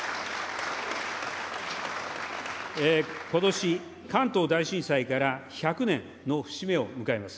ことし、関東大震災から１００年の節目を迎えます。